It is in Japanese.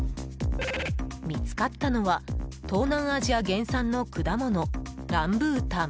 見つかったのは東南アジア原産の果物ランブータン。